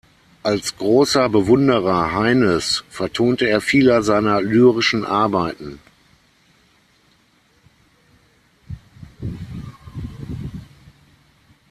Als großer Bewunderer Heines vertonte er viele seiner lyrischen Arbeiten.